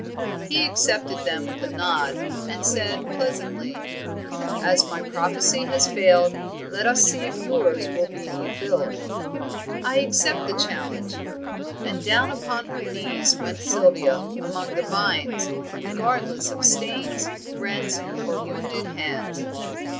He accepted them with a nod, and said pleasantly "As my prophecy has failed, let us see if yours will be fulfilled." "I accept the challenge." And down upon her knees went Sylvia among the vines, regardless of stains, rents, or wounded hands.